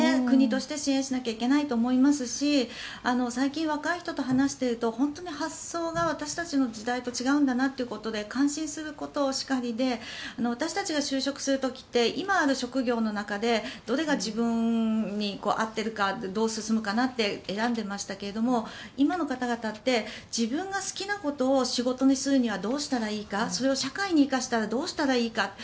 国として支援しなきゃいけないと思いますし最近、若い人と話していると発想が私たちの時代と違うんだなということで感心することばかりで私たちが就職する時って今ある職業の中でどれが自分に合っているかどう進むかなって選んでいましたけども今の方々って自分が好きなことを仕事にするにはどうしたらいいかそれを社会に生かすにはどうしたらいいか。